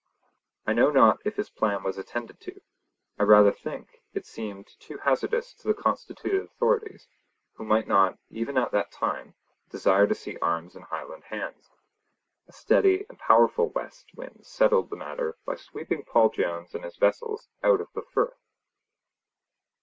I know not if his plan was attended to, I rather think it seemed too hazardous to the constituted authorities, who might not, even at that time, desire to see arms in Highland hands. A steady and powerful west wind settled the matter by sweeping Paul Jones and his vessels out of the Firth.